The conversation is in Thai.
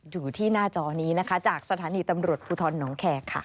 อยู่ที่หน้าจอนี้นะคะจากสถานีตำรวจภูทรน้องแคร์ค่ะ